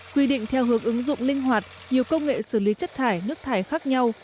quy định theo hướng ứng dụng linh hoạt nhiều công nghệ xử lý chất thải nước thải khác nhau